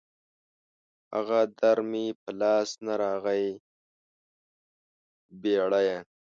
هغه در مې په لاس نه راغی بېړيه